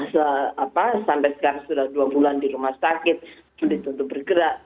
jadi sampai sekarang sudah dua bulan di rumah sakit sulit untuk bergerak